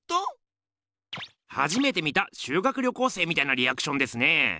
はじめて見た修学旅行生みたいなリアクションですねぇ。